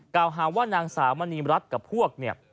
กล่าวหาว่านางสาวมณีรัฐกับพวกเนี่ย